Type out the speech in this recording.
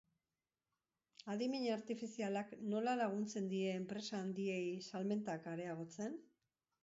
Adimen artifizialak nola laguntzen die enpresa handiei salmentak areagotzen?